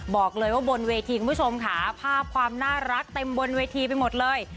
บอกเลยว่าบนเวทีคุณผู้ชมค่ะภาพความน่ารักเต็มบนเวทีไปหมดเลย